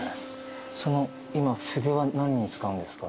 その筆は何に使うんですか？